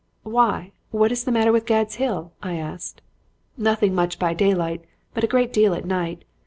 "'Why, what is the matter with Gad's Hill?' I asked. "'Nothing much by daylight, but a great deal at night.